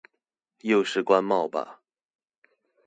又是關貿吧